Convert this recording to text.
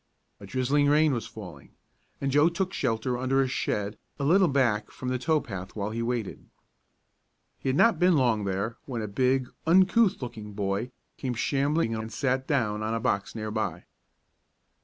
A drizzling rain was falling, and Joe took shelter under a shed a little back from the tow path while he waited. He had not been long there when a big, uncouth looking boy came shambling in and sat down on a box near by.